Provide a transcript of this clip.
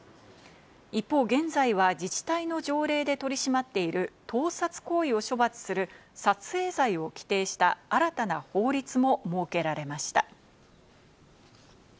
一方、現在は自治体の条例で取り締まっている盗撮行為を処罰する撮影罪を規定した新たな法律も設けられました。